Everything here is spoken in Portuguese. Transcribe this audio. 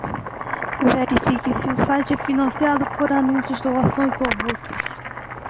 Verifique se o site é financiado por anúncios, doações ou outros.